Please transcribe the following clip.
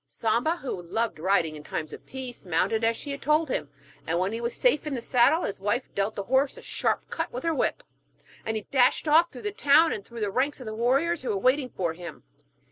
Samba, who loved riding in times of peace, mounted as she had told him, and when he was safe in the saddle, his wife dealt the horse a sharp cut with her whip, and he dashed off through the town and through the ranks of the warriors who were waiting for him.